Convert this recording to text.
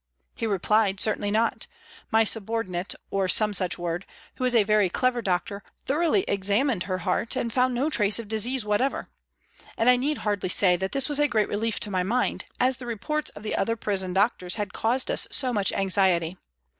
He replied ' Certainly not. My subordinate ' (or some such word), ' who is a very clever doctor, thoroughly examined her heart and found no trace of disease whatever,' and I need hardly say that this was a great relief to my mind, as the reports of the other prison doctors had caused us so much anxiety.